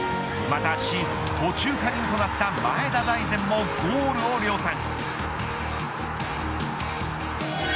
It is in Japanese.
またシーズン途中加入となった前田大然もゴールを量産。